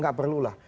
gak perlu lah